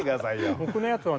僕のやつはね